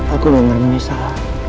aku dengar menyesal